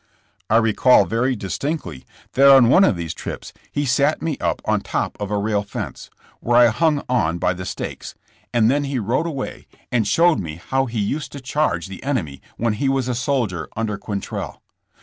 I recall very distinctly that on one of these trips he sat me up on top of a rail fence, where I hung on by the stakes, and then he rode away and showed me how he used to charge the enemy when he was a soldier under Quantrell.